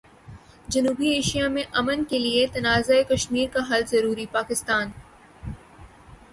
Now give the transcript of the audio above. جنوبی ایشیا میں امن کیلئے تنازع کشمیر کا حل ضروری، پاکستان